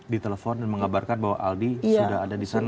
ditelepon dan mengabarkan bahwa aldi sudah ada di sana